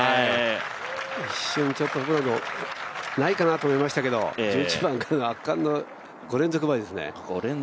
一瞬ちょっとホブランド、ないかなと思いましたけど１１番からの圧巻の５連続バーディーですね。